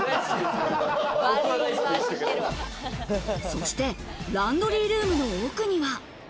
そして、ランドリールームの奥には。